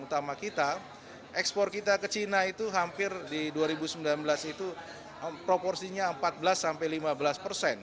utama kita ekspor kita ke china itu hampir di dua ribu sembilan belas itu proporsinya empat belas sampai lima belas persen